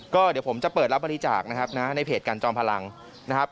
ก็เดี๋ยวผมจะเปิดรับบริจาคนะครับนะในเพจกันจอมพลังนะครับ